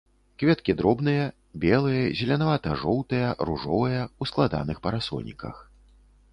Кветкі дробныя, белыя, зеленавата-жоўтыя, ружовыя, у складаных парасоніках.